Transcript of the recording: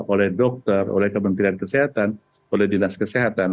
oleh dokter oleh kementerian kesehatan oleh dinas kesehatan